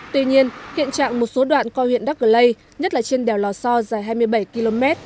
tuy nhiên hiện trạng một số đoạn coi huyện đắc cờ lây nhất là trên đèo lò so dài hai mươi bảy km